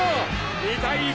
２対１。